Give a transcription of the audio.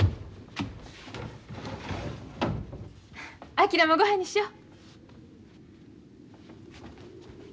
昭もごはんにしよう。